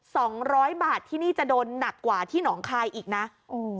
สองร้อยบาทที่นี่จะโดนหนักกว่าที่หนองคายอีกนะโอ้